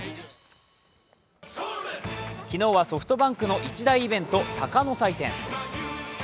昨日はソフトバンクの一大イベント、鷹の祭典。